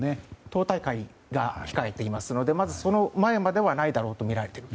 党大会が控えていますのでまずその前まではないだろうとみられている。